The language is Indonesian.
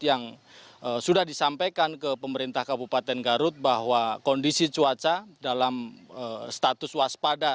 yang sudah disampaikan ke pemerintah kabupaten garut bahwa kondisi cuaca dalam status waspada